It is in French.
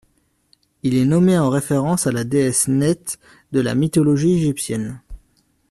Il est nommé en référence à la déesse Neith de la mythologie égyptienne.